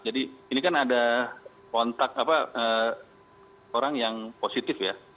jadi ini kan ada kontak orang yang positif ya